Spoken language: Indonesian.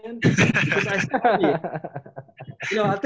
karena saya seperti itu